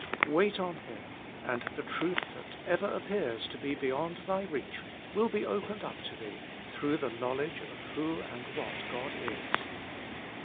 Wait on Him, and the truth that ever appears to be be yond thy reach will be opened up to thee, through the knowledge of who and what God is.